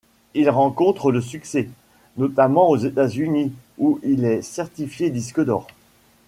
Il rencontre le succès, notamment aux États-Unis où il est certifié disque d'or.